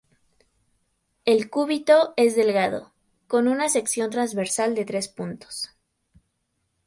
El cúbito es delgado, con una sección transversal de tres puntos.